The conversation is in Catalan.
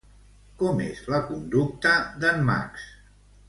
Com és la conducta d'en Max?